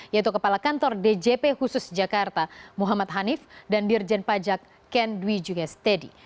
yaitu kepala kantor djp khusus jakarta muhammad hanif dan dirjen pajak ken dwi jugestedi